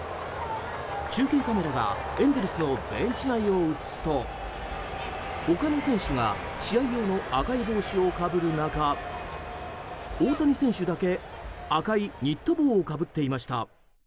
中継カメラがエンゼルスのベンチ内を映すと他の選手が試合用の赤い帽子をかぶる中大谷選手だけ、赤いニット帽をかぶっていました。